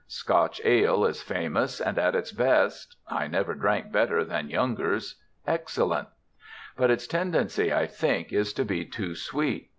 "Scotch ale" is famous, and at its best (I never drank better than Younger's) excellent: but its tendency, I think, is to be too sweet.